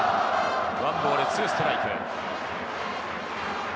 １ボール２ストライク。